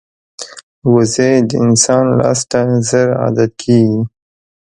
وزې د انسان لاس ته ژر عادت کېږي